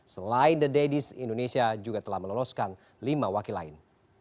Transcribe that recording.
selain the daddies indonesia juga telah meloloskan lima wakil lain